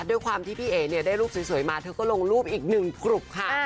ด้วยความที่พี่เอ๋เนี่ยได้รูปสวยมาเธอก็ลงรูปอีกหนึ่งกลุ่มค่ะ